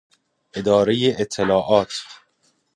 اداره اطلاعات